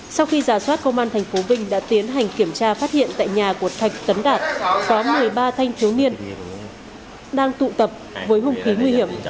sau khi giả soát công an tp vinh đã tiến hành kiểm tra phát hiện tại nhà của thạch tấn đạt có một mươi ba thanh thiếu niên đang tụ tập với hùng khí nguy hiểm